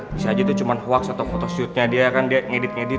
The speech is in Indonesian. bisa aja itu cuma waks atau tudo fotoseutnya dia kan dia ngedit dua